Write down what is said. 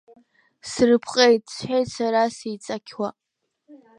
Срыпҟеит, — сҳәеит сара сеиҵақьуа.